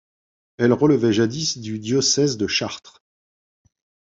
Elle relevait jadis du diocèse de Chartres.